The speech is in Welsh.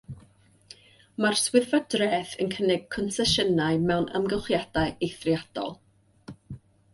Mae'r swyddfa dreth yn cynnig consesiynau mewn amgylchiadau eithriadol.